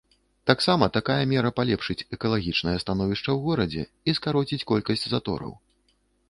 Таксама такая мера палепшыць экалагічнае становішча ў горадзе і скароціць колькасць затораў.